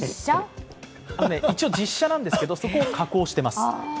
一応、実写なんですけど加工してます。